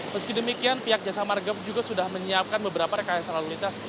meski demikian pihak jasa marga juga sudah menyiapkan beberapa rekayasa lalu lintas